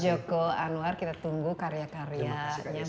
joko anwar kita tunggu karya karyanya